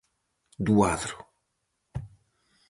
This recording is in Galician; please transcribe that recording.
Do adro.